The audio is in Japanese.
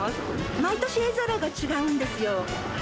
毎年、絵皿が違うんですよ。